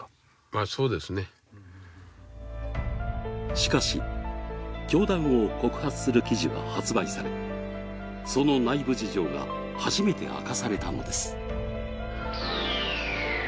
しかし、教団を告発する記事は発売され、その内部事情が初めて明かされたのです。